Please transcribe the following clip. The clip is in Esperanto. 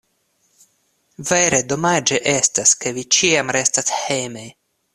Vere, domaĝe estas, ke vi ĉiam restas hejme.